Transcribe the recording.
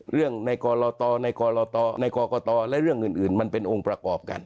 เรื่องในกรตในกรกตและเรื่องอื่นมันเป็นองค์ประกอบกัน